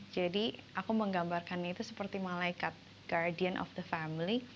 jadi aku menggambarkan itu seperti malaikat guardian of the family